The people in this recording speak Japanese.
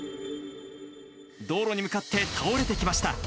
道路に向かって倒れてきました。